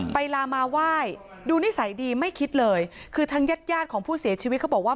ลามาไหว้ดูนิสัยดีไม่คิดเลยคือทางญาติญาติของผู้เสียชีวิตเขาบอกว่า